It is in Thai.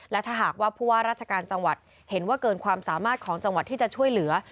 และถ้าหากว่าผู้ว่าราชการจังหวัดเห็นว่าเกินความสามารถของจังหวัดที่จะช่วยเหลือ